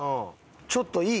ちょっといい？